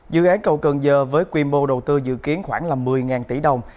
dự án cầu cần giờ với quy mô đầu tư dự kiến khoảng một mươi tỷ đồng